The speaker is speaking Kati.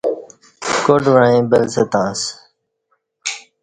کاٹ وعیں بل ستں اسہ